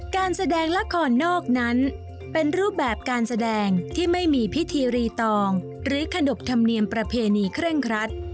การแสดงละครนอกนั้นเป็นรูปแบบการแสดงที่ไม่มีพิธีรีตองหรือขนบธรรมเนียมประเพณีเคร่งครัด